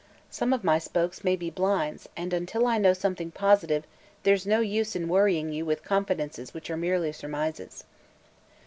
Some of my spokes may be blinds and until I know something positive there's no use in worrying you with confidences which are merely surmises."